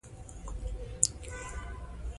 کله چې خر په غوسه شي، نو بیا چغې وهي.